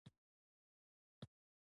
د حرا د غره لمنې ته نږدې پروت دی.